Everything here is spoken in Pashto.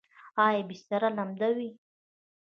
ایا بستر لمدوي؟